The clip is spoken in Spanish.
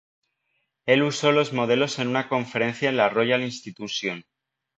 El usó los modelos en una conferencia en la Royal Institution.